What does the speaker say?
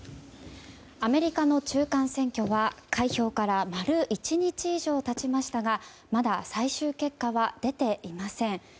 アメリカの中間選挙は開票から丸１日以上経ちましたがまだ最終結果は出ていません。